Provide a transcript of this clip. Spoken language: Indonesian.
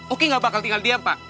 oke gak bakal tinggal diam pak